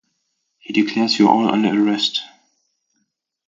He declares You're all under arrest!